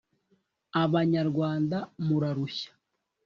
Abanyarwanda murarushya